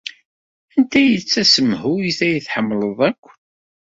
Anta ay d tasemhuyt ay tḥemmleḍ akk?